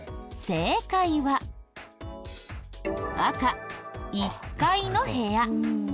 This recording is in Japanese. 正解は赤１階の部屋。